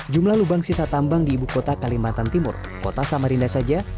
jumlah lubang sisa tambang di ibu kota kalimantan timur kota samarinda saja